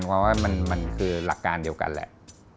เพราะว่ามันคือหลักการเดียวกันแหละ